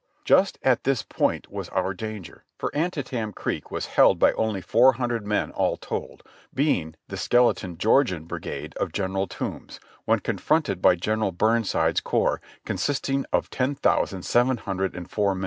Just at this point was our danger, for Antietam Creek was held only by four hundred men all told, being the skeleton Georgian brigade of General Toombs, when confronted by General Burnside's corps, consisting of ten thousand seven hundred and four men.